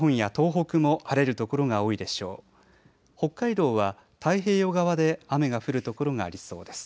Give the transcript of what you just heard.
北海道は太平洋側で雨が降る所がありそうです。